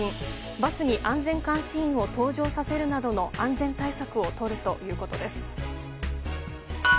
バスに安全監視員を搭乗させるなどの安全対策をとるということです。